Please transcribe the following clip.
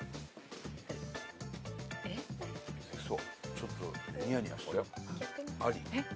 ちょっとニヤニヤして。